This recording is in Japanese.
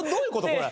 これ。